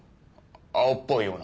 青っぽいような。